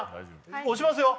押しますよ